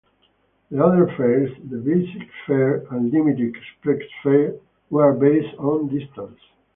The other fares, the basic fare and limited express fare, were based on distance.